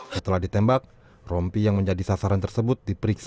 setelah ditembak rompi yang menjadi sasaran tersebut diperiksa